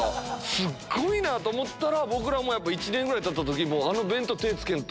すごいなぁ！と思ったら僕らも１年ぐらいたった時。